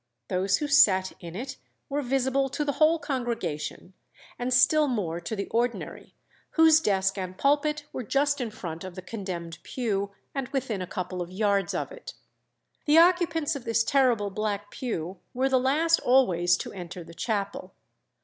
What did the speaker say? Those who sat in it were visible to the whole congregation, and still more to the ordinary, whose desk and pulpit were just in front of the condemned pew, and within a couple of yards of it. The occupants of this terrible black pew were the last always to enter the chapel.